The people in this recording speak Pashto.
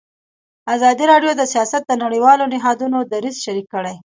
ازادي راډیو د سیاست د نړیوالو نهادونو دریځ شریک کړی.